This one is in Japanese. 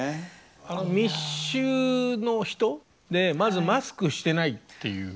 あの密集の人でまずマスクしてないっていう。